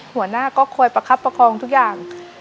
หัวหน้าก็คอยประคับประคองทุกอย่าง